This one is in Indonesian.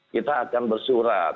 kita akan bersurat